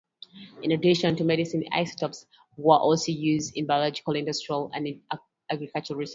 In addition to medicine, isotopes were also used in biological, industrial and agricultural research.